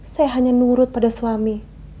saya hanya nurut pada suami